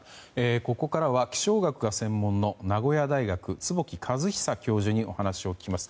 ここからは気象学が専門の名古屋大学、坪木和久教授にお話を聞きます。